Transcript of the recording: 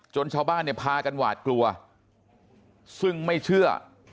ชาวบ้านเนี่ยพากันหวาดกลัวซึ่งไม่เชื่อ